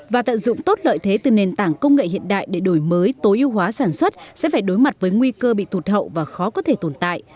và tận dụng tốt lợi thế từ nền tảng công nghệ hiện đại để đổi mới tối ưu hóa sản xuất sẽ phải đối mặt với nguy cơ bị tụt hậu và khó có thể tồn tại